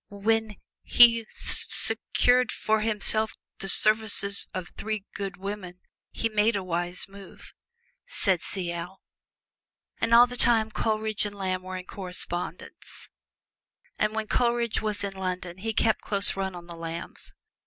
"Wh wh when he secured for himself the services of three good women he made a wise move," said C.L. And all the time Coleridge and Lamb were in correspondence: and when Coleridge was in London he kept close run of the Lambs.